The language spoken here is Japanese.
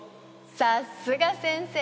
さすが先生！